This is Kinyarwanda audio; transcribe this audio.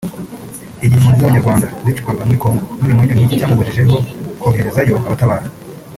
Igihe impunzi z’abanyarwanda zicirwaga muri Congo nk’ibimonyo n’iki cyamubujije ho koherezayo abatabara